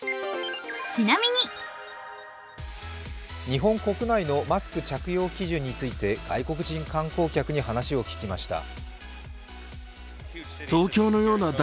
日本のマスク着用基準について外国人観光客に話を聞きました。